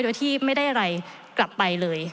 โดยที่ไม่ได้อะไรกลับไปเลย